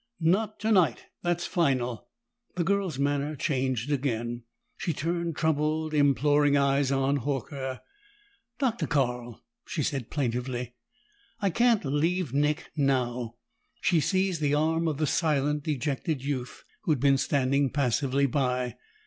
"Not tonight! That's final." The girl's manner changed again. She turned troubled, imploring eyes on Horker. "Dr. Carl," she said plaintively, "I can't leave Nick now." She seized the arm of the silent, dejected youth, who had been standing passively by.